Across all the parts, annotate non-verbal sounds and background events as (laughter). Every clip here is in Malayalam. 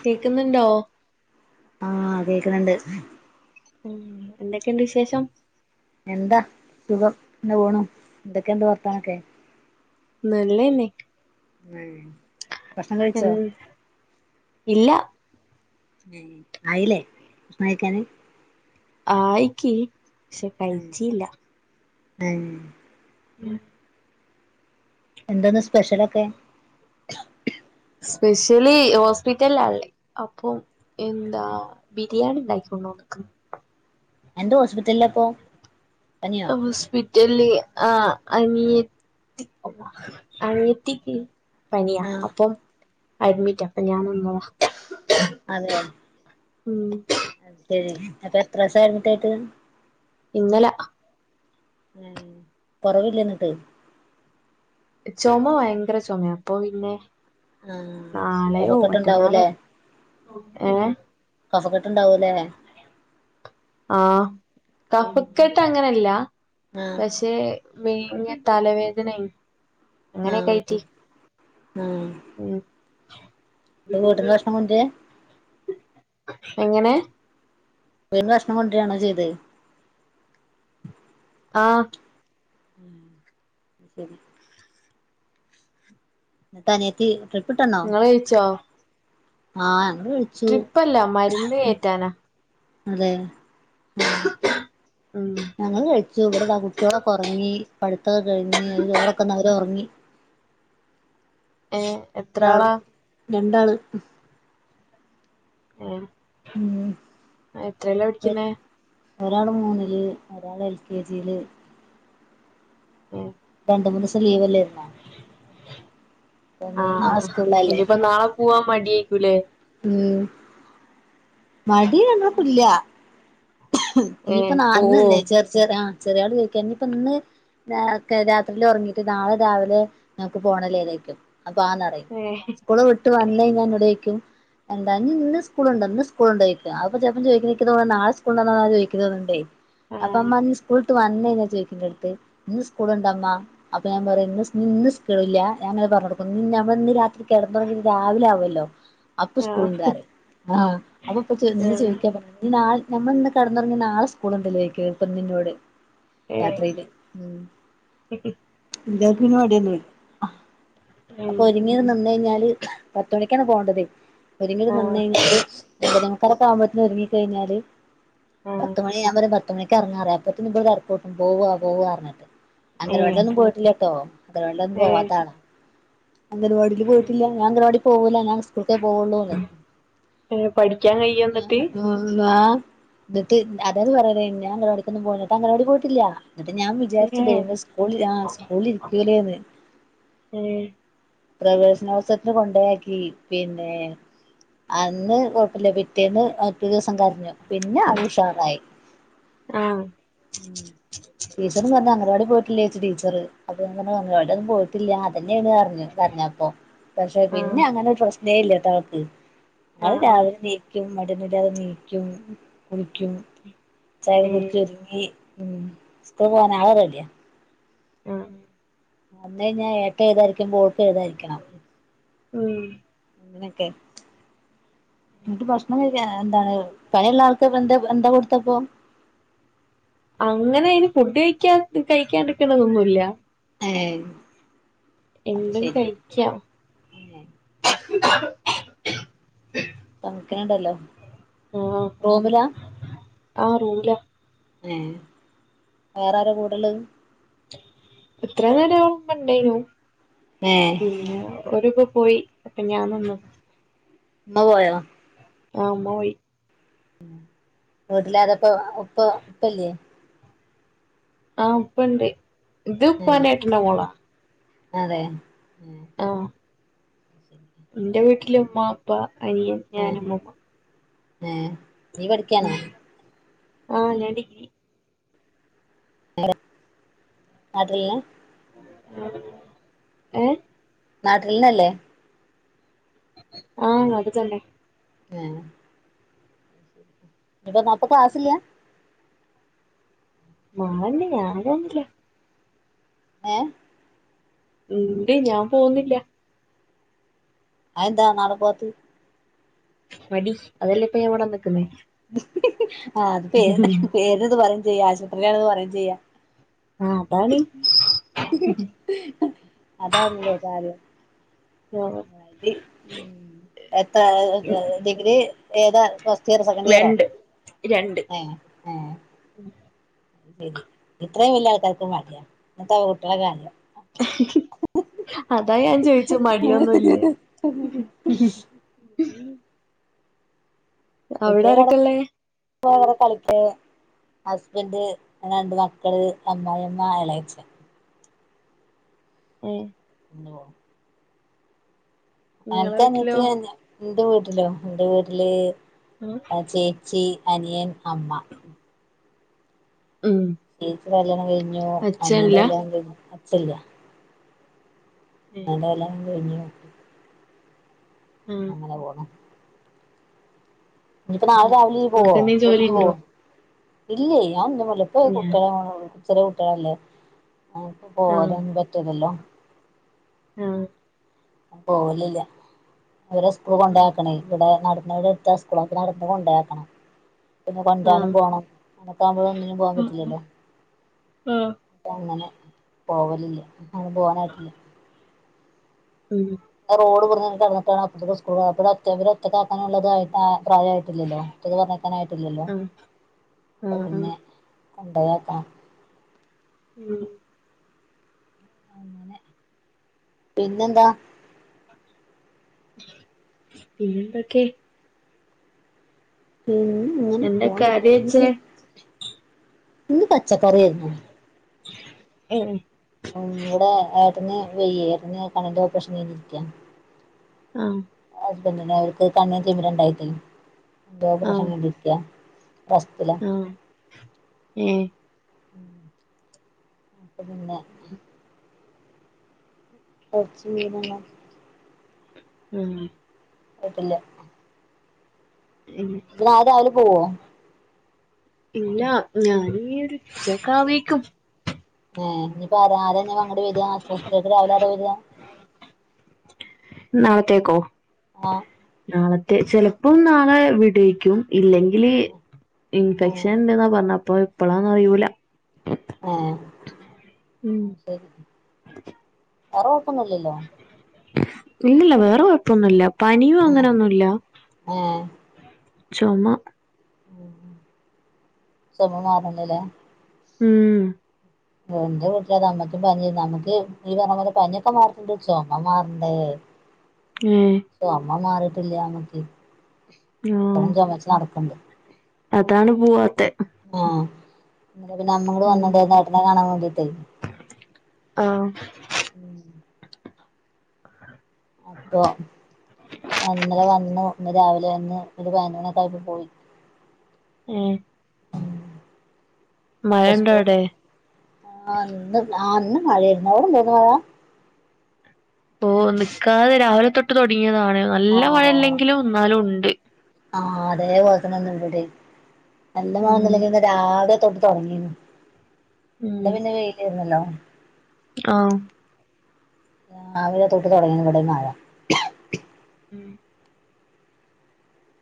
കേക്കുന്നുണ്ടോ? (unintelligible) ഉം എന്തൊക്കെയുണ്ട് വിശേഷം? എന്താ സുഖം ഇങ്ങനെ പോണ് എന്തൊക്കെ ഉണ്ട് വർത്താനൊക്കെ? നല്ലെന്നെ ഉം ഭക്ഷണം കഴിച്ചോ? ഇല്ല ഉം ആയില്ലേ ഭക്ഷണം കഴിക്കാൻ..? ആയിക്ക് പക്ഷെ കഴിച്ചില്ല.. ഏഹ് ഉം എന്തന്ന് സ്പെഷ്യലൊക്കെ? സ്പെഷ്യല് ഹോസ്പിറ്റലാള്ളെ അപ്പം എന്താ ബിരിയാണി ഉണ്ടാക്കൊണ്ടോന്നു. ആ എന്തോ ഹോസ്പിറ്റലിലപ്പോ പനിയോ? ച ആ അനിയത്തി അനിയത്തിക്ക് പനിയാ ആഹ് അപ്പം അഡ്മിറ്റ് അപ്പൊ ഞാന് വന്നതാ. അതെ ഉം അത് ശരി അപ്പൊ എത്ര ദിവസായി അഡ്മിറ്റായിട്ട്? ഇന്നലെ ഉ കൊറവില്ലേ ന്നിട്ട്? ചുമ ഭയങ്കര ചുമ അപ്പൊ പിന്നെ ആഹ് നളെയോ മറ്റന്നാളോ കഫക്കെട്ടുണ്ടാവൂലേ ഏഹ് കഫക്കെട്ട് ണ്ടാവൂല്ലേ? ആഹ കഫക്കെട്ട് അങ്ങനെല്ല ആഹ് പക്ഷെ വേങ്ങ തലവേദനെ അങ്ങനെയക്കെയിറ്റ് ഉം എഹ് വീട്ട്ന്ന് ഭഷണം കൊണ്ട് രാ എങ്ങനെ വീട്ട് ന്ന് ഭക്ഷണം കൊണ്ടരാണോ ചെയ്തത്.. ആഹ ഉം ന്നിട്ട് അനിയത്തി നിങ്ങൾ കയിച്ചോ ആഹ ഞങ്ങൾ കഴിച്ചു മരുന്ന് കേറ്റാനാ അതെ ഉം ഞങ്ങള് കഴ പക്ഷ ഇവിടുത്തെ ആ കുട്ടികളൊക്കെ ഉറങ്ങി പഠത്തക്കെ കഴിഞ്ഞ് അ ചോറൊക്കെുന്ന അവര ഉറങ്ങി ഏ എത്ര രണ്ടാളും ആളാ രണ്ടാള് ഉം ആ എത്രല്ലോ പഠിക്കുന്നേ ഒരാള് മൂന്നില് ഒരാള് എൽ കെ ജിയില് ഓ രണ്ട മൂന്ന് ദിവസം ലീവ്ല്ലേരുന്ന ആഹ ആ് സ്കൂളിലല്ലേ ഇനിപ്പൊ നാ പോവാൻ മടിയ ഉ മടി ങ്ങപ്പല്ല ഇനിയിപ്പ ഏഹ് പോവോ നന്ന്ന്നെ ചെറ ചെറിയ ആ ചെറിയ ആള് ചോദിക്ക ഇനിയിപ്പ ഇന്ന് രാത്രിയി ഉറങ്ങിയിട്ട് നാളെ രാവിലെ നമക്ക് പോണലേ ഏതേക്കും അപ്പ ആന്നറയും ഏഹ് സ്കൂള് വിട്ട് വന്ന ഞാൻ ഇവിടെ വക്കും എന്താ ഇന്ന് സ്കൂളുണ്ട് ഇന്ന് സ്കൂളുണ്ടോിക്ക അപ്പൊ ചപ്പം ചോദിക്ക നാെ സ്കൂളുണ്ട ചോിക്കുന്നത്ണ്ടേ ആഹ് അപ്പംമ്മ സ്കൂൾ വന്നാ ചോദിക്ക അടുത്ത് ഇന്ന് സ്കൂൾുണ്ടമ്മ അപ്പൊ ഞാൻ പറന്ന് സ്കൂള ഞ പറഞ്ഞ കൊടുക്കും നമ്മള ഇന്ന് രാത്രി കിടന്ന തുറങ്ങി രാവിലെ ആുമല്ലോ അപ്പൊ സ്കൂളിറ ആഹ് അപ്പൊപ്പന്ന് ആഹ് ചോദിക്കാ പറാ നമ്മള ഇന്ന് കടന്നുറങ്ങുന്ന നാളെ സ്കൂളുണ്ടല്ലോക്ക്പ്പന്നിറോട് ഏഹ് രാത്രയില് ഉ ഇതന്പടല്ലേ ഉം അപ്പൊ ഒരുങ്ങി നിന്ന കഴിഞ്ഞാല് പത്തുമണിക്കാണ് പോവേ ണ്ടത് ഒരുങ്ങും നന്ന ആഹ് കഴിഞ്ഞാല് അമ്പല നക്കാരൊക്കെ ആവുമ്പോത്തനും ഒരുങ്ങിക്ക കഴിഞ്ഞാല് ആഹ് പത്ത്മണിയാകുപോം പത്തുമണിക്ക് ഇറങ്ങാറ അപ്പത്ത ഇടെ തറക്കൂട്ടും പോകാ പോക പറഞ്ഞിട്ട് അങ്കണവാടീൽ ഏഹ് ലൊന്നും പോയിട്ടില്ല കേട്ടോ അങ്ങന വെന്നും ഏഹ് പോവാത്താളാണ് അംഗൻവാടിയിൽ പോയിട്ടില്ല ഞാൻ അംഗവാടി പോകില്ല ഞാൻ സ്കൂളക്കെ പോവുള്ളൂേ ഏഹ് പഠിക്കാൻ കഴിയോ എന്നിട്ട് ന്ന് എന്നിതായത് പറയന്ന അംഗൻവാടിക്കൊന്നും പോന്നിട്ട് അംഗണവാടി പോയിട്ടില്ല എന്നിട്ട് ഞാൻ ഏഹ് വിചാരിച്ചത് സ്കൂളിൽ ആ സ്കൂളിൽ ഇരികുലേന്ന് ഏഹ് പ്രവേശനാവസ്ഥത്തിന് കൊണ്ടയാക്കി പിന്നെ അന്ന് കുഴപ്പില്ല പിറ്റേന്ന് മറ്റു ദിവസം കരഞ്ഞു പിന്നെ അൾ ഉഷാറായി ആഹ് ഉ ടീചറും പറഞ്ഞു അംഗനവാടി പോയിട്ട് ലെ ചോദിച്ചു ടീച്ചർ അതു അവിടെന്നും പോയിട്ടില്ല അതല്ലെ പറഞ്ഞു കരഞ്ഞപ്പൊ പക്ഷെ പിന്നെ ആഹ് അങ്ങനെ പ്രശ്നേ ഇല്ലേട്ടവൾക്ക് ഞങ്ങൾ ആഹ് ആഹ് രാവിലെ നീക്കും മടുന്നില്ലാതെ നീക്കും കുളിക്കും ചായ ഏഹ് കുടിച്ചുരുങ്ങി ഉ സ്ക്കുൾ പോവാൻ ആള് റെഡിയാ ആഹ വന്നേഴഞ്ഞഞാ എനിക്ക് എഴുതാരിക്കുമ്പോ ഓൾക്ക് എഴുതാഇരിക്കണം ഉം അങ്ങനൊക്കെ എന്നിട്ട് പ്രശ്ണം എന്താണ് പഴയള്ള ആൾക്ക്ന്താ എന്താ കൊടുത്തപ്പോ അങ്ങനെ അതിന് ഫുഡ് കഴിക്കാ കഴിക്കാിരിക്കണതൊന്നുംല്ല ഏഹ എന്തും കഴിക്കാം ഏ സംക്കനണ്ടല്ലോ ആഹ് റോമിലാ ആഹ് റൂമിലാ ഏ വേറൊരോ കൂടുല്ലതെ എത്ര നേര ഇപ്പൊ ഉണ്ടേനു ഏ പിന്നെ ഒരു പോയി അപ്പൊ ഞാൻ വന്നു ഇമ്മ പോയോ ആ ഉമ്മ പോയി വീട്ടിലാരാപ്പ ഉപ്പ ഉപ്പല്ലേ ആഹ് ഉപ്പണ്ട് ഇത് ഏ ഉപ്പാന്റെ ഏട്ടന്റെ മോളാ അതെ എന്റെ വീട്ടില് ഉമ്മ ഉപ്പ അനിയും ഏ ഞാനും മ്മമ്മ ഏ നീ പഠിക്കാണോ ആഹ് ഞൻ ഡിഗ്രി വെറെ ആരാള്ളെ ഏ നാട്ടിൽന്നല്ലേ ആഹ് അത് തന്നെ ആഹ് ഇപ്പൊ നപ്പൊക്ക ക്ലാസില്ല മാളണ്ട് ഞനൊന്നില്ല ഏ ണ്ട് ഞാൻ പോകുന്നില്ല അതെന്താ നാളെ പോകാത്തെ മടി അതല്ലെ ഇപ്പൊ ഞാൻ ഇവിടെ വന്ന് നിക്ക്ണെ ആ അതെ പേര്ന് ഇത് പറയും ചെയ്യാ ആശുപത്രിയിലണ്ന്ന് പറയും ചെയ്യാ അതാണ് അതാണല്ലേ കാര്യം എത്ര ഡിഗ്രി ഏതാ സെക്കൻഡ് ഇയറോ രണ്ട് രണ്ട് ആ ശരി ഇത്രയും വലിയ ആൾക്കാർക്ക് മടിയാ ന്നട്ടാപം കുട്ടികളെ കാര്യം അതാ ഞാൻ ചോയിച്ചെ മടിയൊന്നുല്ലേ അവിടെ കുട്ടികൾ നടക്കുമ്പോ ആരൊക്കെള്ളെ (inaudible) കളിക്ക ഹസ്ബന്റ് രണ്ട് മക്കള് അമ്മായിമ്മ എളേച്ചൻ ഉം ഓ നിങ്ങളെ അനക്ക് വീട്ടിലോ അനത്തി ന്റെ വീട്ടിലോ എന്റെ വീട്ടില് ആ ചേച്ചി അനിയൻ അമ്മ ഉം ചേചീടെ കല്ല്യാണം കഴിഞ്ഞു അനിയന്റെ അച്ഛനില്ല കല്ല്യാണം കഴിഞ്ഞു അച്ഛൻല്ല ഏ (inaudible) എല്ലാം കഴിഞ്ഞു ആ അങ്ങനെ പോണു ഇനിപ്പോ നാളെ രാവിലെ പോവോ നിങ്ങക്ക് എന്തേ ജോലി വീട്ടിക്ക് പോവോ ഉണ്ടോ ഇല്ലേ ഞാൻ നിമ്മള ഇപ്പ ഞാൻ കുട്ടികളെ ചെറിയ കുട്ടികള അല്ലേ ആൻക്ക് പോരാനൊന്നും പറ്റൂലല്ലോ ആഹ് പോവലില്ല അവരെ സ്കൂള് കൊണ്ടാക്കണേ ഇവിടെ നട എന്നട്ടുത്ത സ്കൂള് അപ്പം നട്ന്ന് കൊണ്ടോയാക്കണം പിന്നെ ആ കൊണ്ടോരാനും പോണം അനത്താകുമ്പോഴ ഒന്നിനും പോകാൻ പറ്റില്ലല്ലോ ആ അപ്പങ്ങനെ പോവലില്ലേ അങ്ങനെ പോവാനായിട്ടില്ല ഉം റോഡ് ബട്ന്ന് കടന്നിട്ടാണ് (unintelligible) സ്കൂള് അ ഒറ്റക്ക ആക്കാനുള്ളത് പ്രായയിട്ടില്ലല്ലോ ഒറ്റക്ക് പറഞ്ഞേക്കാനായിട്ടില്ലല്ലോ ആ ആ അപ്പൊ ആ പിന്നെ കൊണ്ടയാക്കണം ഉം അങ്ങനെ പിന്നെന്താ പിന്നെന്തൊക്കെ പിന്നെ ഇങ്ങനെ എന്തെ കറി വച്ചേ പോണ്ട് ഇന്ന് പച്ചക്കറിയായിരുന്നു ഉം ഉ ഇവിടെ ഏട്ടന്ന് വ്യയ്യ ഏട്ടന് കണ്ണിന്റെ ഓപ്പറേഷൻ കൈഞ്ഞിരിക്ക ആഹ ഹബറി അവർക്ക് കണ്ണും ചിമ്മരണ്ടായി എന്തോ ആ ഓപ്പറേഷൻ കൈഞ്ഞിരിക്ക റെസ്റ്റില അ ആ ഏ പിന്നെ കുറച്ചി മീനങ്ങ ആമ് വിട്ടില്ല ആ ഇഞ് നാളെ രാവിലെ പോവ ഇല്ല ഞാനീ രുച്ചക്ക ആവേക്കും ഹ് ഇനിപ്പ അ ആതഞാ അങ്ങട്ട വരക ഹോസ്പിറ്റലേക്ക് രാവിലെ ആര വര നത്തേക്കോ ആഹ നാളത്തെ ചിലപ്പോം നാളെ വിടേക്കും ഇല്ലെങ്കില് ആഹ് ഇൻഫെക്ഷൻണ്ടെന്നാ പറഞ്ഞ അപ്പൊ ഇപ്പളാന്നന്ന് അറില ആഹ ശരി വറെ കൊഴപ്പൊന്നല്ലല്ലോ ഇല്ലല്ല വേറെ കൊഴപ്പൊന്നുല്ല പനിയും ഏഹ് അങ്ങനെന്നുല്ല ഏഹ് ചുമ ചുമ മാറന്നല്ലേ ഉം എന്റെ വീട്ടില അത് അമ്മയ്ക്കും പനി അമ്മക്ക് ഈ പറഞ്ഞ പോലെ പനിയൊക്കെ മാറീട്ട്ണ്ട് ചൊമ മാറണ്ടേ (inaudible) ഏ ചൊമ മാറിട്ടില്ലമ്മക്ക് ആഹ് ഇപ്പഴും ചുമച്ച നടക്കണ്ട് അതാണ് പൂവാത്തെ ആഹ പിന്നെ അമ്മ കൂടി ഉം വന്ന്ണ്ട് ഏട്ടനെ കാണാൻ വേണ്ടീട്ട് ആഹ (inaudible) അപ്പൊ പിന്ന് രാവിലെ ഒന്ന് ഒരു പതിനതിനണി ക്കായപ്പോ പോയി ആഹ ഇസ്കൂള് പോ അവിടെ ആഹ ഇന്ന ആ ഇന്ന് മഴയാരുന്നു അവിടെ ഇണ്ടാർന്നോ മഴ ഓ നിക്കാതെ രാവിലെ തൊട്ട് തുടങ്ങിയതാണ് നല്ല മഴയില്ലെങ്കിലും എന്നാലും ഉണ്ട് ആഹ അതേ പോലത്തന്നെ ഇവിടേം എന്റെ ഉം മകനിന്നലെ രാവിലെ തൊ തുടങ്ങിന്ന് നിടെ പിന്നെ വെയിലുന്നല്ലോ ആഹ രാവിലെ തൊട്ട് തൊടങ്ങി ഇവിടെ മഴ ഉം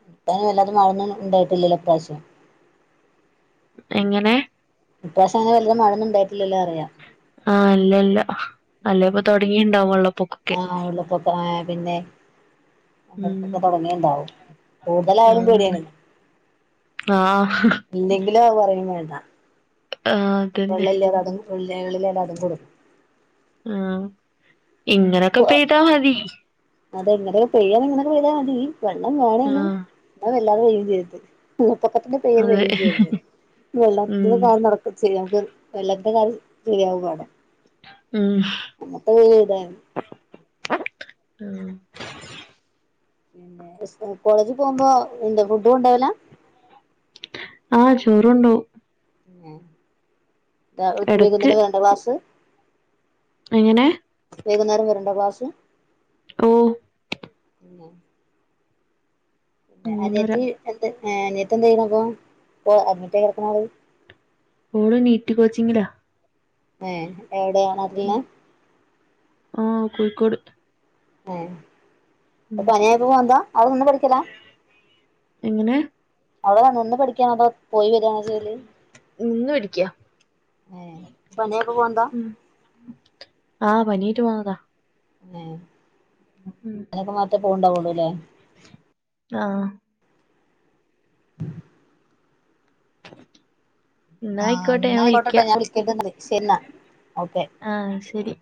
(unintelligible) ട്ടാനും വല്ലാതെ മഴൊന്നും ഉണ്ടായിട്ടില്ലല്ലോ ഇ പ്രാവശ്യം എങ്ങനെ ഇപ്രാവശ്യം അങ്ങനെ വല്യ മഴന്നുണ്ടായിട്ടില്ലല്ലോ പറയ്യാ അല്ലെപ്പൊ തുടങ്ങിണ്ടാവള്ളൂ ആഹ ഉള്ളപ്പൊക്ക പിന്നെ ഉം അക്കൊക്കെ തുടങ്ങിണ്ടാവും കൂടുതലായാലും പേടിയാണ് ആഹ ഹ് ഹ് (unintelligible) പറയും വേണ്ട ആ അതന്നെ ഉള്ളകളിൽ എല്ലതും കൊടുക്കും ആ ഇങ്ങനൊക്കെ പെയ്ത മതി അതെ എങ്ങനെയൊക്കെ പെയ്യാൻ ഇങ്ങനെ യ്താ മതി വെള്ളം വേണേനും ആഹ് (unintelligible) ചെയ്ത് പൊക്കത്തിന്റെ പേര് അതെ വയും ചെയ്യണ്ട് ഉം വെള്ളത്തിന്റെ (unintelligible) ചെയ നമുക്ക് വെള്ള ഉം (unintelligible) അങ്ങത്തെ വീട ഉം പിന്നെ (unintelligible) കോളേജിൽ പോകുമ്പോ എന്താ ഫുഡും കൊണ്ടോവാല ആഹ് ചോറുണ്ടോവും (unintelligible) വേണ്ട എടക്ക് ക്ലാസ്സ്‌ എങ്ങനെ വൈകുന്നേരം വരണ്ടക്ലാസ് ഓ പിന്നെ മൂന്നര അനിയത്തി എന്താ ഏ അനിയത്തിന്താ ചെയ്യണപ്പോ അഡ്മിറ്റായി കിടക്കണാള് ഓള് നീറ്റ് കോച്ചിങ്ങിലാ ഏ എവിടെയാ നാട്ടിലെന്നെ ആഹ കോഴിക്കോട് ആഹ അപ്പൊ ഉം പനിയായിപ്പോ പോന്നതാ അവിടെ നിന്ന് പഠിക്കല എങ്ങനെ അവള നിന്ന് പഠിക്കാനോ അതോ പോയി വരിയാണോ ചെയ്യല് നിന്ന് പഠിക്കാ ഹ് പനിയായപ്പോ പോന്നതാ ആഹ പനീറ്റ് പോന്നതാ എ ഉം അയ്നൊക്കെ മാത്രേ പോവ്ണ്ടാവൊള്ളൂല്ലേ...... ആഹ.... എന്നാ ആഹ് ആയിക്കോട്ടെ എന്ന ഐ കോട്ടെട്ടോ ഞാൻ വിളിക്കണ്ട് ന്നാല് ശെരിന്ന. ആഹ ശെരി